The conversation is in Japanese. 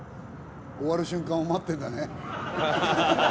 終わる瞬間を待ってんだね。